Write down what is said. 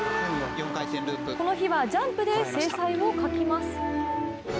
この日はジャンプで精彩を欠きます。